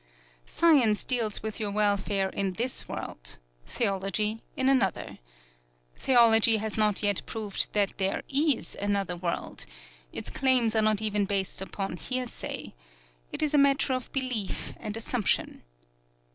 Science deals with your welfare in this world; theology in another. Theology has not yet proved that there is another world its claims are not even based upon hearsay. It is a matter of belief and assumption.